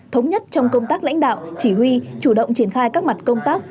thống nhất trong công tác lãnh đạo chỉ huy chủ động triển khai các mặt công tác